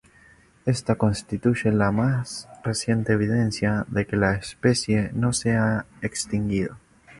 Esta constituye la más reciente evidencia de que la especie no se ha extinguido.